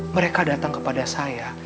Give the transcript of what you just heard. mereka datang kepada saya